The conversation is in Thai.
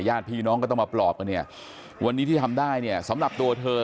ญาติพี่น้องก็ต้องมาปลอบกันเนี่ยวันนี้ที่ทำได้เนี่ยสำหรับตัวเธอ